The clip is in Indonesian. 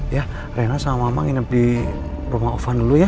ya rena sama mama nginep di rumah ovan dulu ya